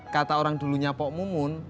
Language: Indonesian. kata orang dulunya pok mumun